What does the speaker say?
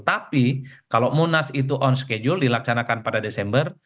tapi kalau munas itu on schedule dilaksanakan pada desember